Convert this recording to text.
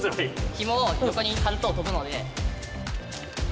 ひもを横に張ると飛ぶので。